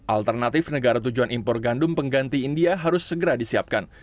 alternatif negara tujuan impor gandum pengganti india harus segera disiapkan